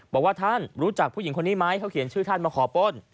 บอกว่าท่านรู้จักผู้หญิงคนนี้ไหมเขาเขียนชื่อท่านมาขอป้น